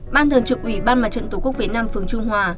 ban thường trực ubndtq việt nam phường trung hòa